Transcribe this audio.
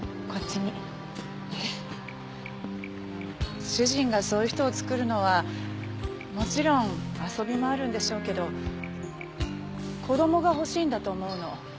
えっ！？主人がそういう人を作るのはもちろん遊びもあるんでしょうけど子供が欲しいんだと思うの。